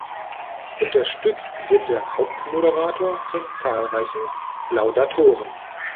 Unterstützt wird der Hauptmoderator von zahlreichen Laudatoren.